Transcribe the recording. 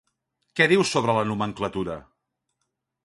Què diu sobre la nomenclatura?